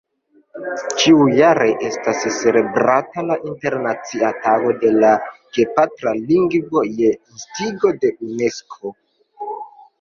Ĉiujare estas celebrata la Internacia Tago de la Gepatra Lingvo je instigo de Unesko.